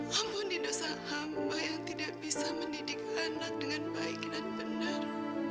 lampuni dosa hamba yang tidak bisa menidik anak dengan baik dan benar